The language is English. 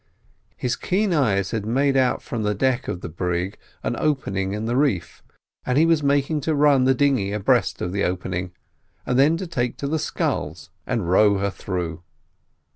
His keen eyes had made out from the deck of the brig an opening in the reef, and he was making to run the dinghy abreast of the opening, and then take to the sculls and row her through.